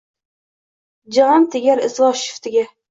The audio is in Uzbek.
Jig‘am tegar izvosh shiftiga